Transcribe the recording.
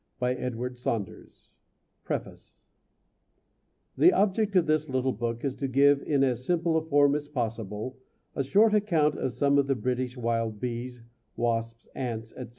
{v} PREFACE The object of this little book is to give in as simple a form as possible a short account of some of the British Wild Bees, Wasps, Ants, etc.